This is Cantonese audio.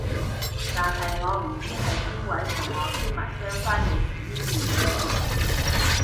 但係我唔知係邊位同我篇文章翻譯成英語嘅